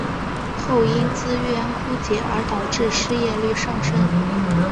后因资源枯竭而导致失业率上升。